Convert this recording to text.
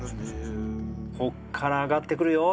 「こっから上がってくるよ」みたいな。